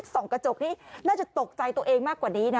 กระจกนี้น่าจะตกใจตัวเองมากกว่านี้นะ